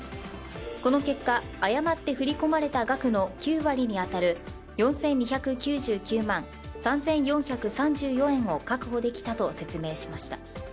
この結果、誤って振り込まれた額の９割に当たる４２９９万３４３４円を確保できたと説明しました。